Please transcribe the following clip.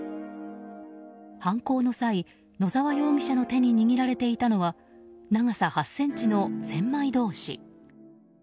犯行の際、野澤容疑者の手に握られていたのは長さ８ｃｍの千枚通し。